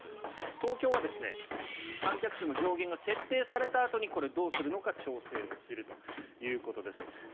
東京は観客数の上限が設定されたあとにこれ、どうするのか調整するということです。